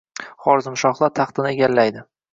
Xorazmshohlar taxtini egallaydi